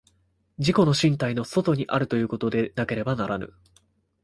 自己の身体の外にあるということでなければならぬ。